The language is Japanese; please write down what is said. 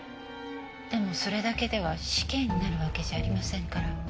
でもそれだけでは死刑になるわけじゃありませんから。